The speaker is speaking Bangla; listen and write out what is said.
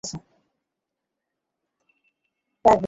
ডাক ভিতর থেকে এসেছে, দোস্ত।